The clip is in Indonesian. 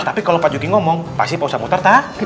tapi kalau pak juki ngomong pasti pak ustadz bukhtar tau